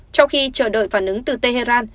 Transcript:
trong khi chờ đợi phản ứng từ tehran